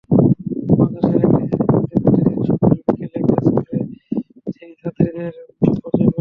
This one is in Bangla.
মাদ্রাসার একটি শ্রেণিকক্ষে প্রতিদিন সকাল-বিকেলে ব্যাচ করে তিনি ছাত্রীদের কোচিং করান।